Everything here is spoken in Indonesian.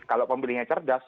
kalau pemilihnya cerdas